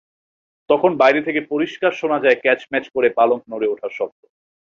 তখন বাইরে থেকে পরিষ্কার শোনা যায় ক্যাচম্যাচ করে পালঙ্ক নড়ে ওঠার শব্দ।